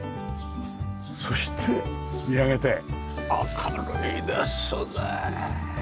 そして見上げて明るいですねえ！